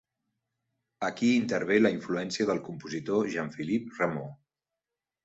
Aquí intervé la influència del compositor Jean-Philippe Rameau.